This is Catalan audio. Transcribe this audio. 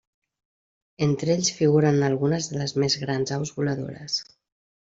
Entre ells figuren algunes de les més grans aus voladores.